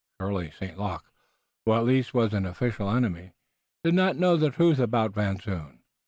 Surely St. Luc, who at least was an official enemy, did not know the truth about Van Zoon!